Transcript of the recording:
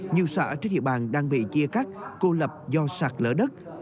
nhiều xã trên địa bàn đang bị chia cắt cô lập do sạc lỡ đất